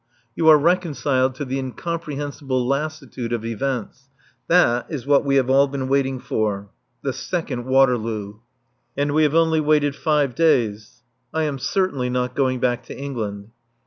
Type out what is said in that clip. You are reconciled to the incomprehensible lassitude of events. That is what we have all been waiting for the second Waterloo. And we have only waited five days. I am certainly not going back to England.